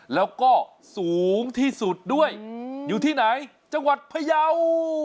แล้วก็สูงที่สุดด้วยอยู่ที่ไหนจังหวัดพยาว